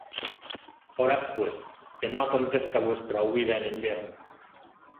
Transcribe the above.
Orad pues, que no acontezca vuestra huída en invierno.